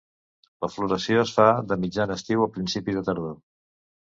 La floració es fa de mitjan estiu a principi de tardor.